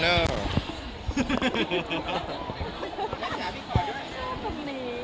น้ำใหม่สวยสุดท้อน